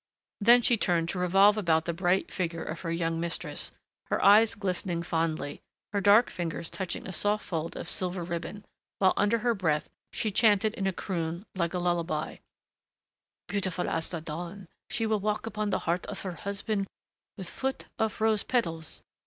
Then she turned to revolve about the bright figure of her young mistress, her eyes glistening fondly, her dark fingers touching a soft fold of silver ribbon, while under her breath she chanted in a croon like a lullaby, "Beautiful as the dawn ... she will walk upon the heart of her husband with foot of rose petals